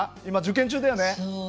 今受験中だよね？